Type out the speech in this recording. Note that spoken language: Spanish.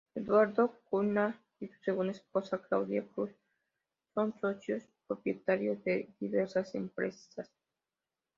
Eduardo Cunha y su segunda esposa, Cláudia Cruz, son socios propietarios de diversas empresas.